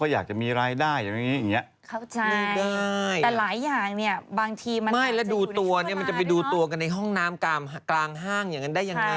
อยากมีอะไรได้อะไรอย่างเงี้ยแรกแรกอย่าไปว่าอย่างนั้นเลย